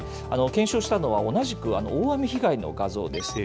検証したのは、同じく大雨被害の画像でして。